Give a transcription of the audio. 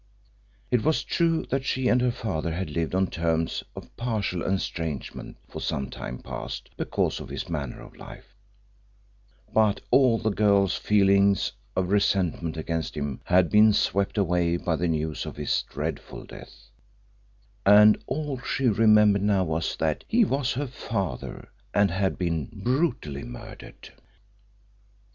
It was true that she and her father had lived on terms of partial estrangement for some time past because of his manner of life, but all the girl's feelings of resentment against him had been swept away by the news of his dreadful death, and all she remembered now was that he was her father, and had been brutally murdered.